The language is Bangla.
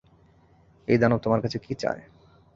এই দানব তোমার কাছে কী চায়?